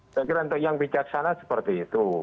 saya kira untuk yang bijaksana seperti itu